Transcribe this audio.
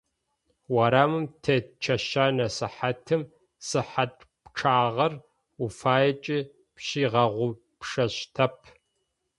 Урамым тет чэщанэ сыхьатым, сыхьат пчъагъэр уфаекӏи пщигъэгъупшэщтэп.